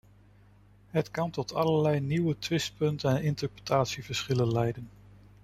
Het kan tot allerlei nieuwe twistpunten en interpretatieverschillen leiden.